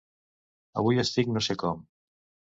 Avui estic no sé com.